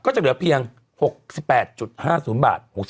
จะเหลือเพียง๖๘๕๐บาท